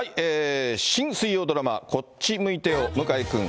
新水曜ドラマ、こっち向いてよ向井くん。